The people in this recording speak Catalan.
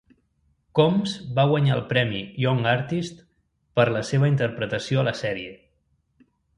Combs va guanyar el premi Young Artist per la seva interpretació a la sèrie.